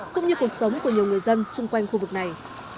cũng như cuộc sống của nhiều người dân xung quanh khu vực này